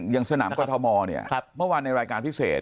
อย่างสนามกรทมเนี่ยเมื่อวานในรายการพิเศษ